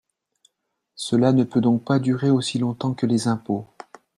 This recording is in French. Cela ne peut donc pas durer aussi longtemps que les impôts.